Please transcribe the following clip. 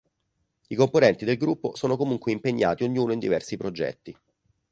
I componenti del gruppo sono comunque impegnati ognuno in diversi progetti.